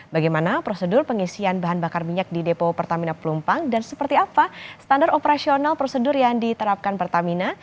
bagaimana prosedur pengisian bahan bakar minyak di depo pertamina pelumpang dan seperti apa standar operasional prosedur yang diterapkan pertamina